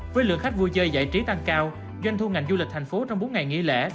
với lượng khách vui chơi giải trí tăng cao doanh thu ngành du lịch thành phố trong bốn ngày nghỉ lễ